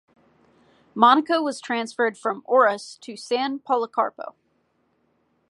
Monica was transferred from Oras to San Policarpo.